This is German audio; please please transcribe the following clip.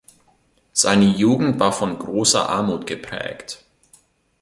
Seine Jugend war von großer Armut geprägt.